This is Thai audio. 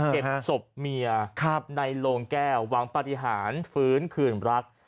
เก็บศพเมียในโลงแก้วหวังปฏิหารฟื้นคืนรัก